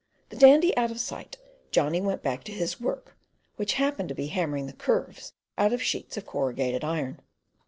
The Dandy out of sight, Johnny went back to his work, which happened to be hammering the curves out of sheets of corrugated iron.